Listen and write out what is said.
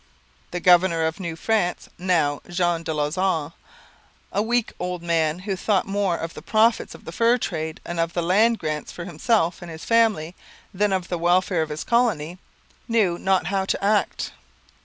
The governor of New France, now Jean de Lauzon, a weak old man who thought more of the profits of the fur trade and of land grants for himself and his family than of the welfare of the colony, knew not how to act.